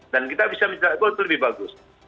dan kita bisa mencari gol itu lebih bagus